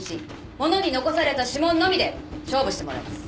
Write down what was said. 物に残された指紋のみで勝負してもらいます。